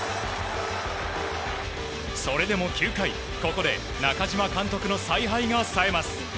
それでも９回、ここで中嶋監督の采配が冴えます。